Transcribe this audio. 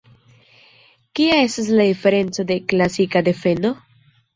Kia estas la diferenco de "klasika defendo"?